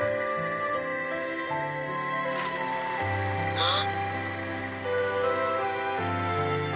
あっ！